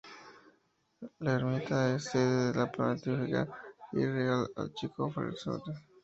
La Ermita es sede de la Pontificia y Real Archicofradía del Stmo.